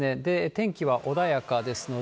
天気は穏やかですので。